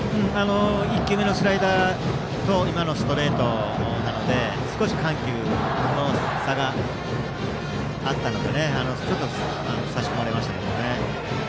１球目スライダーと今のストレートなので少し緩急の差があったので差し込まれましたけど。